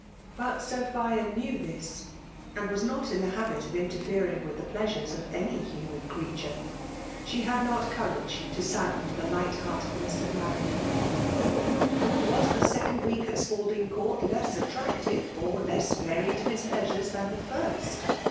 But Sophia knew this; and was not in the habit .of interfering with the pleasures of any human creature. She had not courage to sadden the light hearted noss of Marian. Nor was the second week at Spalding Court less attractive or less varied in its pleasures than the first.